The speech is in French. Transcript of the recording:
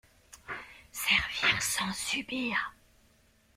Servir sans subir